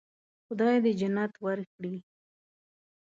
خدای دې جنت ورکړي.